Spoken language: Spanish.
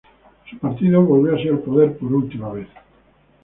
Su partido volvió así al poder, por última vez.